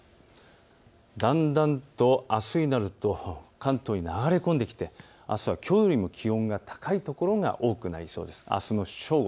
だんだんとあすになると関東に流れ込んできてあすはきょうより気温が高いところが多くなりそうです。